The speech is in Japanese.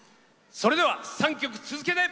それでは３曲続けて。